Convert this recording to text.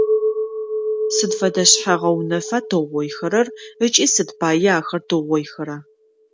Сыд фэдэ шъхьэ-гъэунэфха тыугъоихэрэр ыкӏи сыд пае ахэр тыугъоихэра?